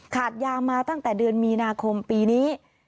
ขาดยามาตั้งแต่เดือนมีนาคมปีนี้